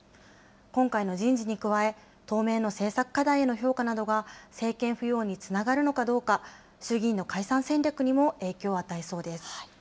今回の人事に加え、当面の政策課題への評価などが政権浮揚につながるのかどうか、衆議院の解散戦略にも影響を与えそうです。